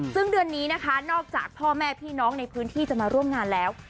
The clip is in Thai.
ซึ่งเดือนนี้นะคะนอกจากพ่อแม่พี่น้องในพื้นที่จะมาร่วมงานแล้ว